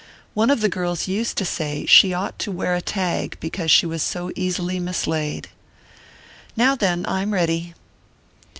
One of the girls used to say she ought to wear a tag, because she was so easily mislaid Now then, I'm ready!"